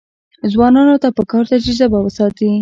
ځوانانو ته پکار ده چې، ژبه وساتي.